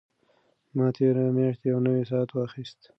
ما تېره میاشت یو نوی ساعت واخیست.